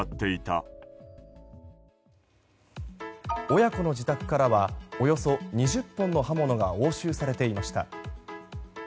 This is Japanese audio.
親子の自宅からはおよそ２０本の刃物が押収されていました。